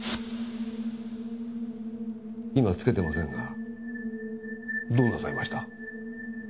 今着けてませんがどうなさいました？